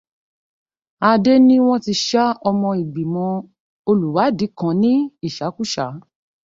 Adé ní wọn ti ṣá ọmọ ìgbìmọ̀ olùwádìí kan ní ìṣákúṣàá.